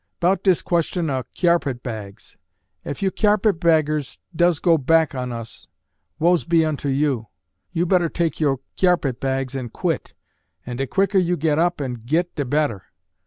'Bout dis question uh cyarpet bags. Ef you cyarpet baggers does go back on us, woes be unto you! You better take yo cyarpet bags and quit, and de quicker you git up and git de better.